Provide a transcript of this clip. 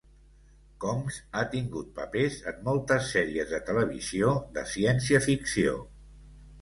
Combs ha tingut papers en moltes sèries de televisió de ciència ficció.